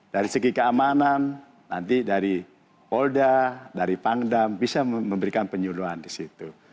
dari segi keamanan nanti dari polda dari pangdam bisa memberikan penyuluhan di situ